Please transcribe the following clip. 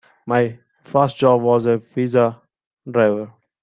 My first job was as a pizza driver.